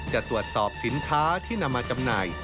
จะตรวจสอบสินค้าที่นำมาจำหน่าย